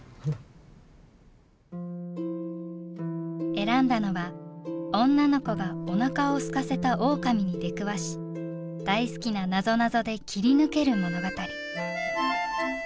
選んだのは女の子がおなかをすかせたオオカミに出くわし大好きななぞなぞで切り抜ける物語。